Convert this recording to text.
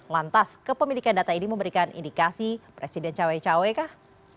lantas kepemilikan data ini memberikan indikasi presiden cawe cawe kah